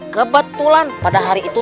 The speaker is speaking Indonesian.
kebetulan pada hari itu